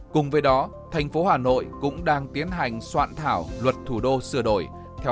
cùng với đó thành phố hà nội cũng đang tiến hành soạn thảo luật thủ đô sửa đổi